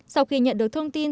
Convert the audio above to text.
sau khi nhận được thông tin